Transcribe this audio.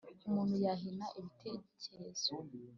umuntu yahina ibitekerezo.